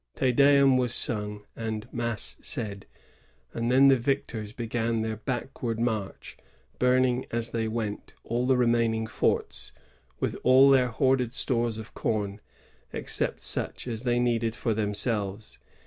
Te Devm was sung and mass said ; and then the victors began their backward march, — burning, as they went, all the remaining forts, with all their hoarded stores of com, except such as they needed for themselves.